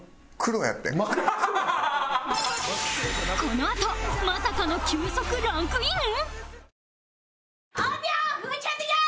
このあとまさかの球速ランクイン？